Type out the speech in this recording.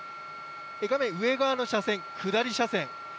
画面上側の車線、下り車線。